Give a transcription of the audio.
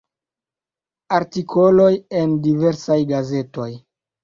Artikoloj en diversaj gazetoj.